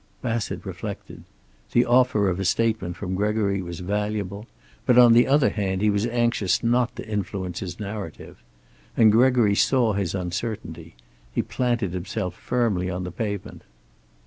Bassett reflected. The offer of a statement from Gregory was valuable, but, on the other hand, he was anxious not to influence his narrative. And Gregory saw his uncertainty. He planted himself firmly on the pavement.